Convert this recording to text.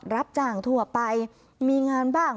รับจ้างทั่วไปมีงานบ้าง